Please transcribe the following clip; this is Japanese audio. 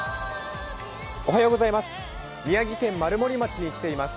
宮城県丸森町に来ています。